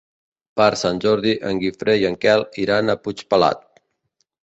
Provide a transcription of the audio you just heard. Per Sant Jordi en Guifré i en Quel iran a Puigpelat.